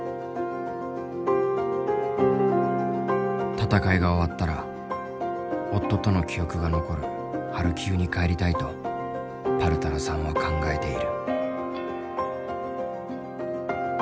戦いが終わったら夫との記憶が残るハルキウに帰りたいとパルタラさんは考えている。